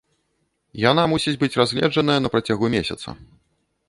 Яна мусіць быць разгледжаная на працягу месяца.